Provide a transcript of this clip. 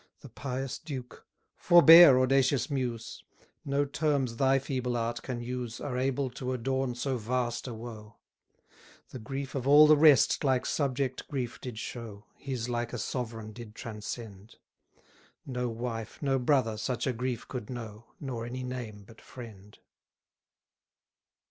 The pious duke Forbear, audacious Muse! No terms thy feeble art can use Are able to adorn so vast a woe: The grief of all the rest like subject grief did show, His like a sovereign did transcend; No wife, no brother, such a grief could know, Nor any name but friend.